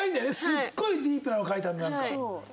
すごいディープなの書いてある。